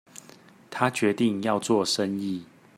他決定要做生意